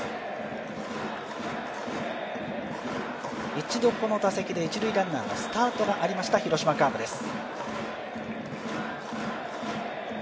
一度この打席で一塁ランナーのスタートがありました広島カープです。